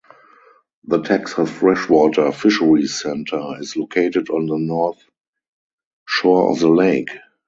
The Texas Freshwater Fisheries Center is located on the north shore of the lake.